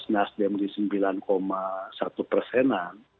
nasdem di sembilan satu persenan